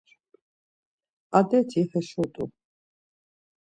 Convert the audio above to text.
Adeti heşo t̆u.